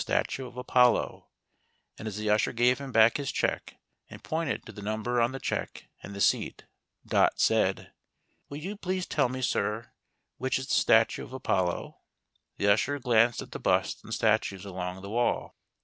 He remembered what the Alto had said about the statue of Apollo, and as the usher gave him back his check and pointed to the num ber on the check and the seat. Dot said : "Will you please tell me, sir, which is the statue of Apollo The usher glanced at the busts and statues along the wall.